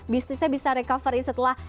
bisnisnya bisa recovery setelah